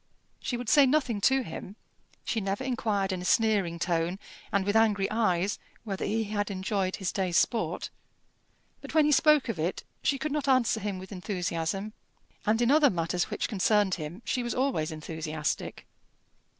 She would say nothing to him. She never inquired in a sneering tone, and with angry eyes, whether he had enjoyed his day's sport; but when he spoke of it, she could not answer him with enthusiasm; and in other matters which concerned him she was always enthusiastic.